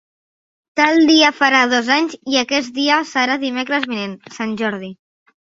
Tal dia farà dos anys, i aquest dia serà dimecres vinent: Sant Jordi.